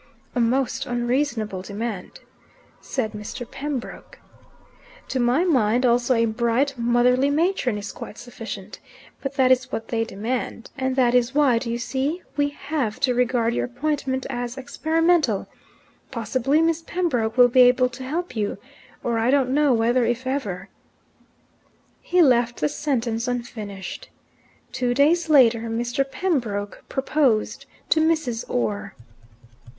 "A most unreasonable demand," said Mr. Pembroke. "To my mind also a bright motherly matron is quite sufficient. But that is what they demand. And that is why do you see? we HAVE to regard your appointment as experimental. Possibly Miss Pembroke will be able to help you. Or I don't know whether if ever " He left the sentence unfinished. Two days later Mr. Pembroke proposed to Mrs. Orr.